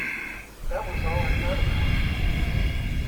That was all I thought about.